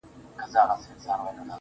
o تور یم، موړ یمه د ژوند له خرمستیو.